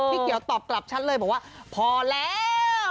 พี่เขียวตอบกลับฉันเลยบอกว่าพอแล้ว